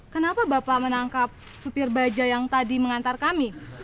kenapa bapak menangkap supir baja yang tadi mengantar kami